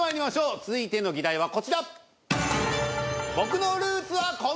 続いての議題はこちら。